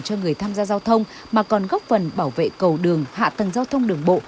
cho người tham gia giao thông mà còn góp phần bảo vệ cầu đường hạ tầng giao thông đường bộ